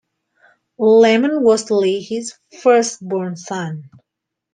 Laman was Lehi's first-born son.